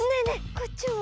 こっちも！